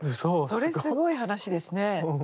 それすごい話ですね。